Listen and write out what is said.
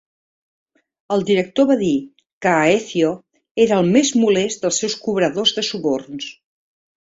El director va dir que Aécio era "el més molest" dels seus cobradors de suborns.